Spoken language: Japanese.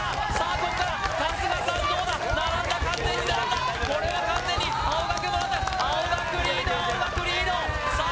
こっから春日さんどうだ並んだ完全に並んだこれは完全に青学並んだ青学リード青学リードさあ